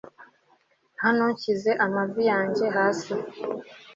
Hano nshyize amavi yanjye hasi